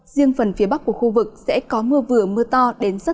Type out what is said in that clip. riêng phần phía bắc của khu vực sẽ có mưa vừa mưa to đến rất to